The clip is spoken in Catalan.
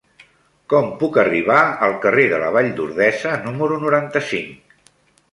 Com puc arribar al carrer de la Vall d'Ordesa número noranta-cinc?